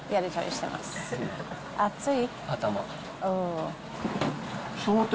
熱い？